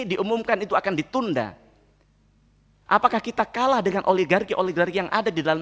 diumumkan itu akan ditunda apakah kita kalah dengan oligarki oligarki yang ada di dalam